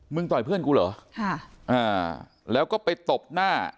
ต่อยเพื่อนกูเหรอค่ะอ่าแล้วก็ไปตบหน้า